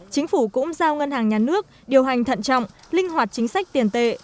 chính phủ cũng giao ngân hàng nhà nước điều hành thận trọng linh hoạt chính sách tiền tệ